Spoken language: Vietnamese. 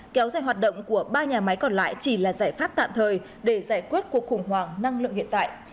kéo dài hoạt động của ba nhà máy còn lại chỉ là giải pháp tạm thời để giải quyết cuộc khủng hoảng năng lượng hiện tại